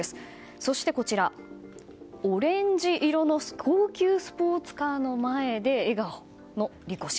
そして、オレンジ色の高級スポーツカーの前で笑顔のリコ氏。